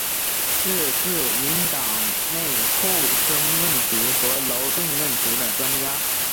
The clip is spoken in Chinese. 是自民党内厚生问题和劳动问题的专家。